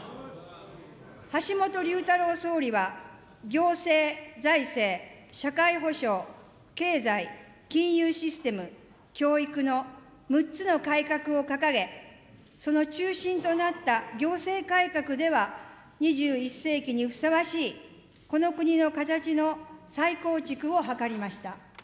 橋本龍太郎総理は、行政、財政、社会保障、経済、金融システム、教育の６つの改革を掲げ、その中心となった行政改革では、２１世紀にふさわしいこの国の形の再構築を図りました。